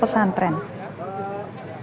pesantren mobilnya pak